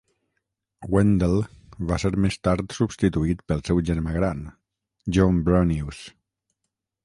Wendell va ser més tard substituït pel seu germà gran, John Brunious.